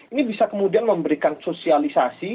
ini bisa kemudian memberikan sosialisasi